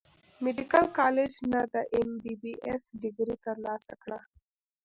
ميديکل کالج نۀ د ايم بي بي ايس ډګري تر لاسه کړه